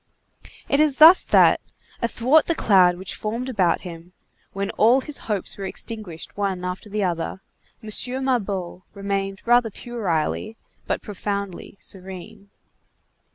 It is thus that, athwart the cloud which formed about him, when all his hopes were extinguished one after the other, M. Mabeuf remained rather puerilely, but profoundly serene.